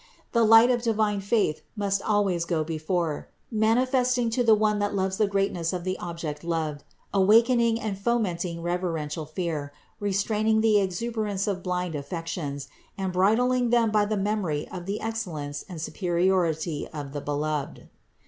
The light of divine faith must always go before, manifesting to the one that loves the greatness of the Object loved, awakening and fomenting reverential fear, restraining the exuberance of blind affec tions, and bridling them by the memory of the excellence and superiority of the Beloved.